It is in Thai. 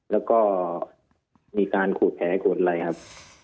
แล้วก็มีการขูดแผลขูดอะไรครับ